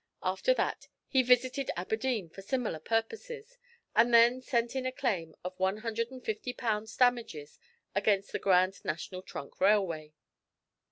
After that he visited Aberdeen for similar purposes, and then sent in a claim of 150 pounds damages against the Grand National Trunk Railway.